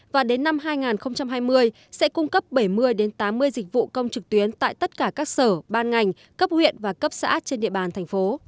và đến năm hai nghìn hai mươi sẽ cung cấp bảy mươi tám mươi dịch vụ công trực tuyến tại tất cả các sở ban ngành cấp huyện và cấp xã